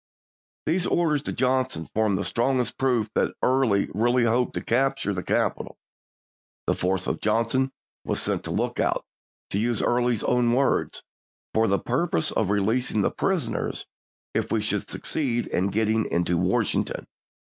These orders to Johnson form the strongest ism proof that Early really hoped to capture the capital; the force of Johnson was sent to Lookout, to use Early's own words, "for the purpose of releasing the prisoners if we should succeed in getting into Washington."